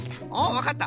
わかった！